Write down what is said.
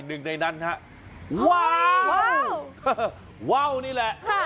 หนึ่งในนั้นฮะว้าวว้าวนี่แหละ